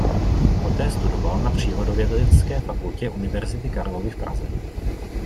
Poté studoval na Přírodovědecké fakultě Univerzity Karlovy v Praze.